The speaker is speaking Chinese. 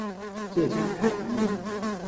浙江海宁人。